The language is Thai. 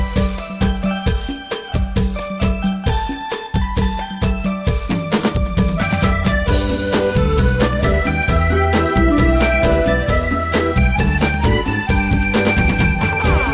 เป็นเพลงเร็วที่ไม่รู้มุกถนัดมั้ย